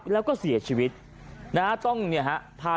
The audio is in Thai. โอ้โหพังเรียบเป็นหน้ากล่องเลยนะครับ